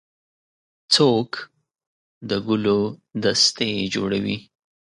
څوک د ګلو دستې جوړوي.